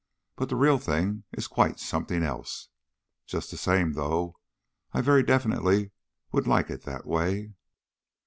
But the real thing is quite something else. Just the same, though, I very definitely would like it that way."